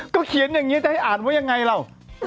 ก็เขียนอย่างนี้จะให้อ่านว่ายังไงล่ะ